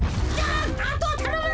あとはたのむ！